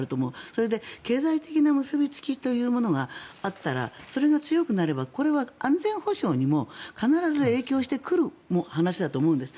それで経済的な結びつきがあったらそれが強くなればこれは安全保障にも必ず影響してくる話だと思うんです。